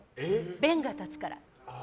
弁が立つから。